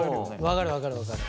分かる分かる分かる。